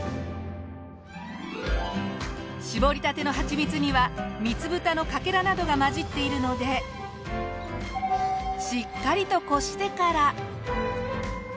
搾りたてのはちみつには蜜蓋のかけらなどが混じっているのでしっかりとこしてから。